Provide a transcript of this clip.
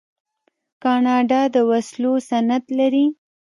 کاناډا د وسلو صنعت لري.